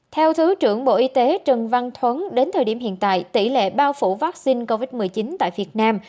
theo thứ trưởng bộ y tế trần văn thuấn đến thời điểm hiện tại tỷ lệ bao phủ vaccine covid một mươi chín tại việt nam